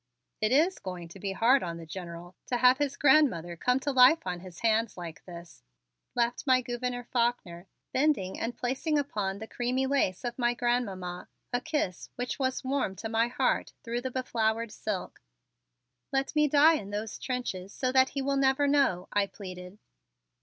"It is going to be hard on the General to have his grandmother come to life on his hands like this," laughed my Gouverneur Faulkner, bending and placing upon the creamy lace of my Grandmamma a kiss which was warm to my heart through the beflowered silk. "Let me die in those trenches so that he will never know," I pleaded.